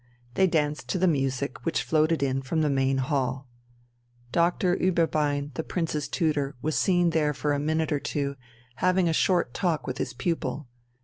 They danced to the music which floated in from the main hall. Doctor Ueberbein, the Prince's tutor, was seen there for a minute or two, having a short talk with his pupil.